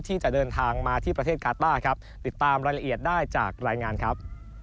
ที่จะเดินทางมาที่ประเทศกาต้าครับติดตามรายละเอียดได้จากรายงานครับ